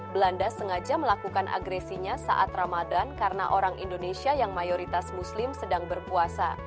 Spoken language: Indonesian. belanda sengaja melakukan agresinya saat ramadan karena orang indonesia yang mayoritas muslim sedang berpuasa